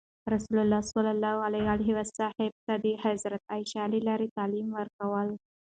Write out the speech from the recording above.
رسول الله ﷺ صحابه ته د حضرت عایشې له لارې تعلیم ورکول.